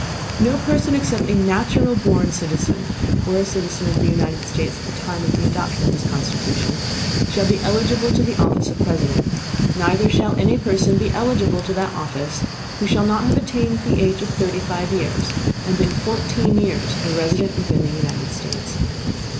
No Person except a natural born Citizen, or a Citizen of the United States, at the time of the Adoption of this Constitution, shall be eligible to the Office of President; neither shall any Person be eligible to that Office who shall not have attained to the Age of thirty five Years, and been fourteen Years a Resident within the United States.